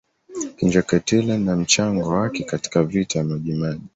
Kinjeketile na mchango wake katika Vita ya Majimaji